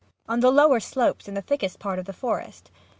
On the lower slopes; in the thickest parts of the forest.